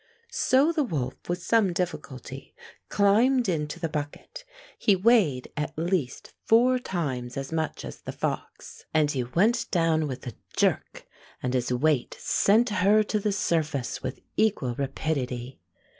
So the woK with some difficulty climbed into the bucket. He weighed at least four times as much as the fox, and he went down with a jerk, and his weight sent her to the surface with equal rapidity.